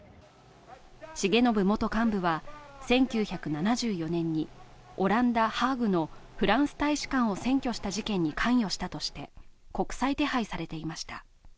重信元幹部は、１９７４年にオランダ・ハーグのフランス大使館を占拠した事件に関与したとして国際手配されていました。